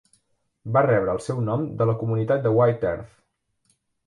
Va rebre el seu nom de la comunitat de White Earth.